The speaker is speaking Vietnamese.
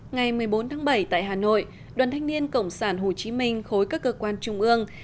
ngày một mươi bốn tháng bảy tại hà nội đoàn thanh niên cộng sản hồ chí minh khối các cơ quan trung ương